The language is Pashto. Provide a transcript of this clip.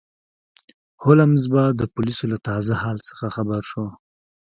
هولمز به د پولیسو له تازه حال څخه خبر شو.